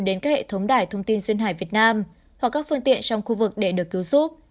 đến các hệ thống đài thông tin duyên hải việt nam hoặc các phương tiện trong khu vực để được cứu giúp